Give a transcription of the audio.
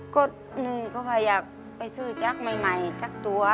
ก็หนึ่งก็พยายามไปซื้อจักรใหม่สักตัว